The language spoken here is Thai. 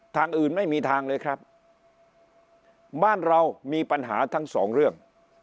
ทางอื่นไม่มีทางเลยครับบ้านเรามีปัญหาทั้งสองเรื่อง